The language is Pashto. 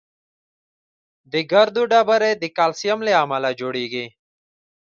د ګردو ډبرې د کلسیم له امله جوړېږي.